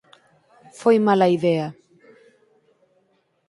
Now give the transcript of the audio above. Foi mala idea.